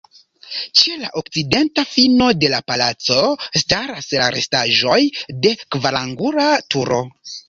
Ĉe la okcidenta fino de la palaco staras la restaĵoj de kvarangula turo.